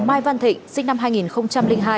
mai văn thịnh sinh năm hai nghìn hai